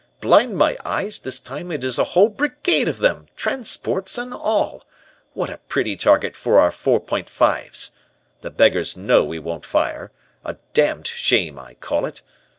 Blind my eyes, this time it is a whole Brigade of them, transports and all. What a pretty target for our '4.5's.' The beggars know we won't fire. A damned shame I call it.